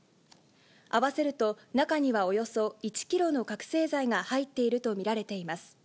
合わせると、中にはおよそ１キロの覚醒剤が入っていると見られています。